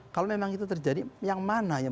kalau memang itu terjadi yang mana yang